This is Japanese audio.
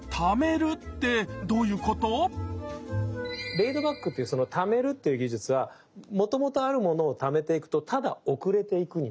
レイドバックっていうその「タメる」っていう技術はもともとあるものをタメていくとただ遅れていくになる。